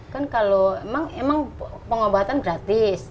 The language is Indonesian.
kan kalau emang pengobatan gratis